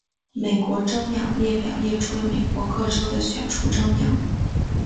美国州鸟列表列出了美国各州的选出州鸟。